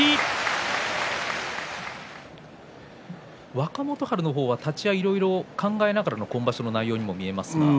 若元春の方は立ち合いいろいろと考えながらの今場所の内容のように見えます。